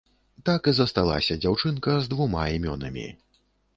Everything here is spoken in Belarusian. Так і засталася дзяўчынка з двума імёнамі.